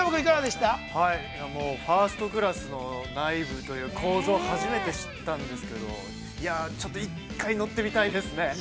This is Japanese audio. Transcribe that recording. ◆はい、ファーストクラスの内部というか、構造、初めて知ったんですけど、いや、ちょっと１回乗ってみたいですね。